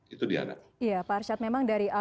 itu diana ya pak arsyad memang dari